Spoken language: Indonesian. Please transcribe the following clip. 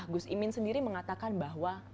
gus imin sendiri mengatakan bahwa